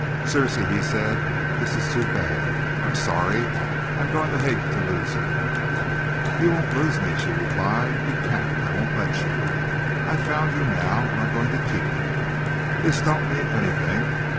"Circe!" he said, "this is too bad. I'm sorry. I'm going to hate to lose you." "You won't lose me," she replied. "You can't. I won't let you. I've found you now and I'm going to keep you. This don't mean anything.